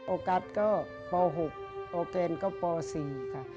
โอกาสก็ป๖โอแฟนก็ป๔ค่ะ